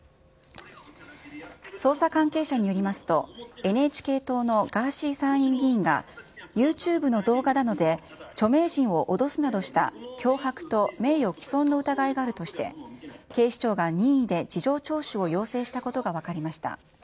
捜査関係者によりますと、ＮＨＫ党のガーシー参院議員がユーチューブの動画などで、著名人を脅すなどした脅迫と名誉棄損の疑いがあるとして、警視庁が任意で事情聴取を要請したことが分かりました。